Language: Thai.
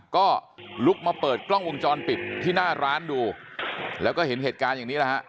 ก็ลุกมาเปิดกล้องวงจรปิดที่หน้าร้านดูแล้วก็เห็นเหตุการณ์อย่างนี้แหละฮะ